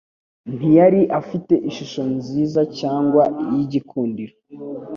Ntiyari afite ishusho nziza cyangwa y'igikundiro,